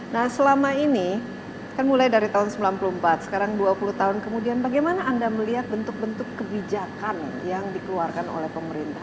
nah selama ini kan mulai dari tahun seribu sembilan ratus sembilan puluh empat sekarang dua puluh tahun kemudian bagaimana anda melihat bentuk bentuk kebijakan yang dikeluarkan oleh pemerintah